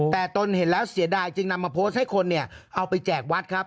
แต่ตนเห็นแล้วเสียดายจึงนำมาโพสต์ให้คนเนี่ยเอาไปแจกวัดครับ